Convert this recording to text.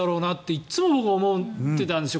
いつも僕思ってたんですよ。